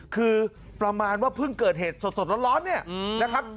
คือประมาณว่าเพิ่งเกิดเหตุสดร้อนเนี่ยนะครับ